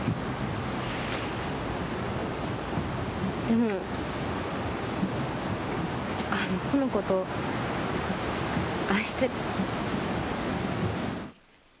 でも、あの子のこと愛してる。